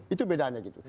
itu bedanya gitu